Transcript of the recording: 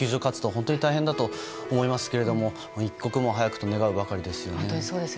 本当に大変だと思いますが一刻も早くと願うばかりですね。